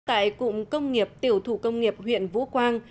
tại cụng công nghiệp tiểu thủ công nghiệp huyện vũ quang